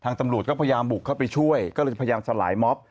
ตำรวจก็พยายามบุกเข้าไปช่วยก็เลยพยายามสลายม็อบ